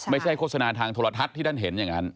โฆษณาทางโทรทัศน์ที่ท่านเห็นอย่างนั้น